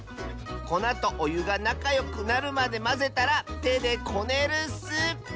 こなとおゆがなかよくなるまでまぜたらてでこねるッス！